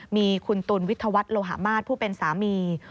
มีคุณตุลวิธวัฒน์โลหะมาสผู้เป็นสามี